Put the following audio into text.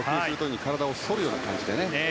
体をそるような感じでね。